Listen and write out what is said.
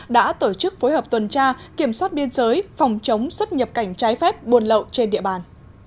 đã tổ chức phối hợp tuần tra kiểm soát biên giới phòng chống xuất nhập cảnh trái phép buôn lậu trên địa bàn